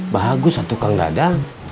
bagus lah tukang dadang